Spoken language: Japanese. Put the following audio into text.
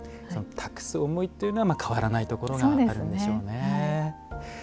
託す思いというのは変わらないところがあるんでしょうね。